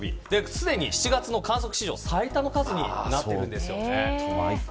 すでに７月の観測史上最多になっているんです。